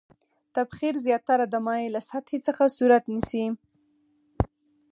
تبخیر زیاتره د مایع له سطحې څخه صورت نیسي.